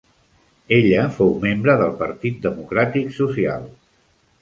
Ella fou membre del Partit Democràtic Social.